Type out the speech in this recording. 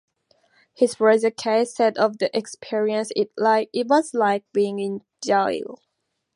His brother, Keith, said of the experience, It was like being in jail.